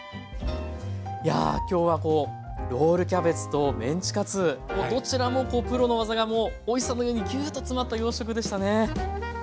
いや今日はこうロールキャベツとメンチカツもうどちらもプロの技がおいしさの上にギュッと詰まった洋食でしたね。